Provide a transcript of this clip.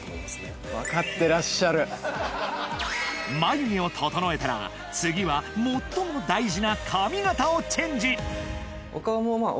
眉毛を整えたら次は最も大事な髪形をチェンジ